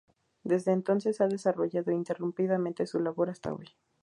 Desde entonces ha desarrollado ininterrumpidamente su labor, hasta hoy.